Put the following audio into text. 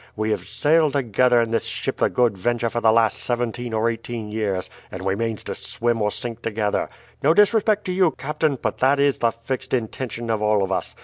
We have sailed together in this ship the Good Venture for the last seventeen or eighteen years, and we means to swim or sink together. No disrespect to you, captain; but that is the fixed intention of all of us.